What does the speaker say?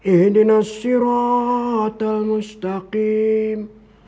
eh dinasirata al mustaqim